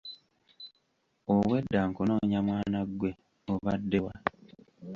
Obwedda nkunoonya mwana gwe obaddewa?